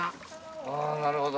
あぁなるほど。